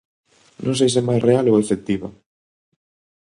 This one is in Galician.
Non sei se máis real ou efectiva.